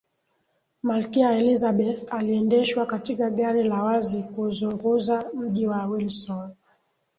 malkia elizabeth aliendeshwa katika gari la wazi kuuzunguza mji wa windsor